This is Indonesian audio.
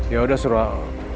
ya udah suruh